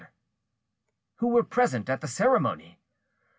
"Who were present at the ceremony?"